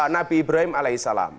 nabi ibrahim alaihissalam